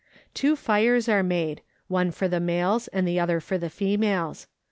Two fires are made, one for the males and the other for the females.